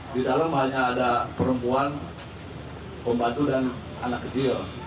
di dalam hanya ada perempuan pembantu dan anak kecil